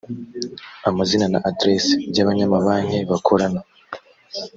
amazina na aderesi by abanyamabanki bakorana